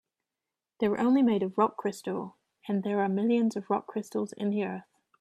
They're only made of rock crystal, and there are millions of rock crystals in the earth.